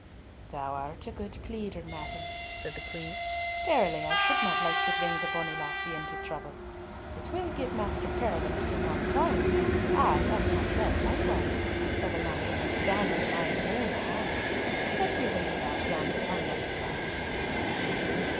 "Thou art a good pleader, madam," said the queen. "Verily I should not like to bring the bonnie lassie into trouble. It will give Master Curll a little more toil, ay and myself likewise, for the matter must stand in mine own hand; but we will leave out yonder unlucky farce."